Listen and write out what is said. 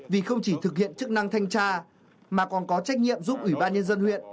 vì không chỉ thực hiện chức năng thanh tra mà còn có trách nhiệm giúp ủy ban nhân dân huyện